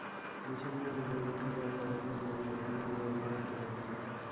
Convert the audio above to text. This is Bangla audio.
বিষণ্ন হৃদয়ে দুঃখের বার্তা জাগিয়ে প্রান্তরের দিকে তুমি আনমনে হেঁটে গেলে।